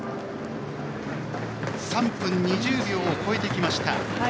３分２０秒を超えてきました。